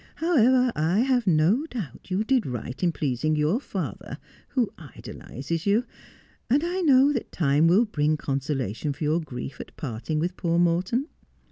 However, I have no doubt you did right in pleasing your father, who idolizes you, and I know that time will bring consolation for your grief at parting w r ith poor Morton.'